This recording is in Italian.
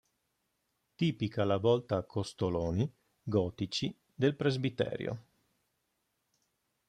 Tipica la volta a costoloni gotici del presbiterio.